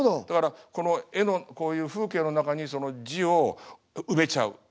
だからこの絵のこういう風景の中にその字を埋めちゃう。